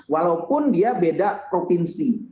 walaupun dia beda provinsi